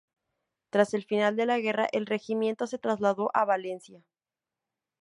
Tras el final de la guerra, el regimiento se trasladó a Valencia.